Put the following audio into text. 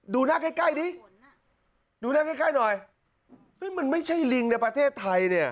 ดูหน้าใกล้ใกล้ดิดูหน้าใกล้ใกล้หน่อยเฮ้ยมันไม่ใช่ลิงในประเทศไทยเนี่ย